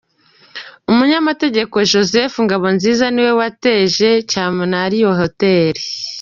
Umunyamategeko Joseph Ngabonziza ni we wateje cyamunara iyi hotel.